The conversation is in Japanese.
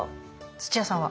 土屋さんは？